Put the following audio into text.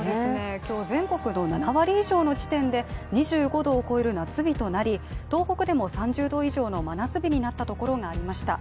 今日全国の７割以上の地点で２５℃を超える夏日となり、東北でも３０℃以上の真夏日になったところがありました。